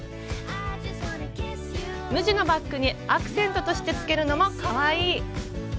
無地のバッグにアクセントとしてつけるのもかわいい！